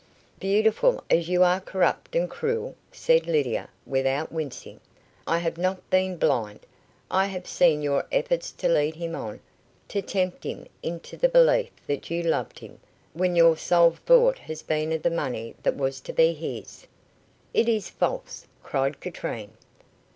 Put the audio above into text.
"Beautiful as you are corrupt and cruel," said Lydia, without wincing. "I have not been blind. I have seen your efforts to lead him on to tempt him into the belief that you loved him, when your sole thought has been of the money that was to be his." "It is false," cried Katrine.